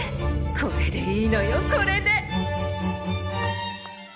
これでいいのよこれで！